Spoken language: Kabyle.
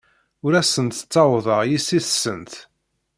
Ur asent-ttawḍeɣ yessi-tsent.